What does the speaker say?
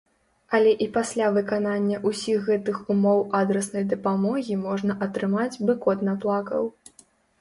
Але і пасля выканання ўсіх гэтых ўмоў адраснай дапамогі можна атрымаць бы кот наплакаў!